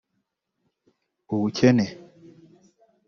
ubukene